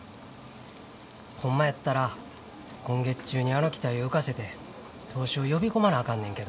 ホンマやったら今月中にあの機体を浮かせて投資を呼び込まなあかんねんけど。